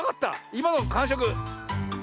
いまのかんしょく。